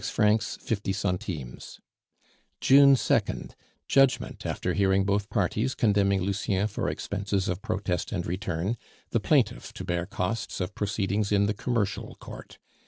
.............. 6 50 June 2nd Judgment, after hearing both parties, condemning Lucien for expenses of protest and return; the plaintiff to bear costs of proceedings in the Commercial Court.